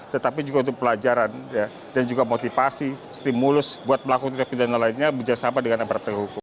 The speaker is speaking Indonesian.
tetapi juga untuk pelajaran dan juga motivasi stimulus buat pelaku pelaku pilihan yang lainnya bekerjasama dengan abad abad hukum